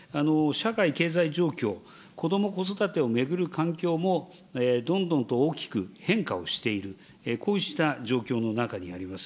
社会経済状況、こども・子育てを巡る環境もどんどんと大きく変化をしている、こうした状況の中にあります。